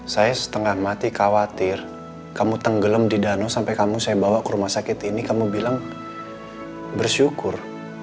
saya setengah mati khawatir kamu tenggelam di danau sampai kamu saya bawa ke rumah sakit ini kamu bilang bersyukur